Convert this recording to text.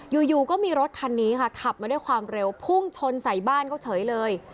อยู่ก็มีรถคันนี้ค่ะขับมาด้วยความเร็วพุ่งชนใส่บ้านเขาเฉยเลย